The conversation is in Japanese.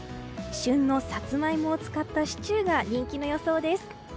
旬のサツマイモを使ったシチューが人気の予想です。